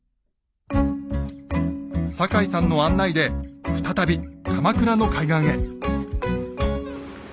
坂井さんの案内で再び鎌倉の海岸へ。